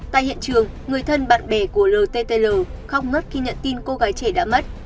tại hiện trường người thân bạn bè của l t t l khóc ngất khi nhận tin cô gái trẻ đã mất